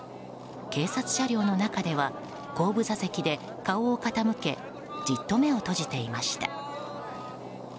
警察車両の中では後部座席で顔を傾けじっと目を閉じていました。